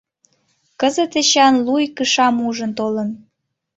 Кызыт Эчан луй кышам ужын толын.